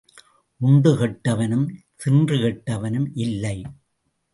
உண்டு கெட்டவனும் தின்று கெட்டவனும் இல்லை.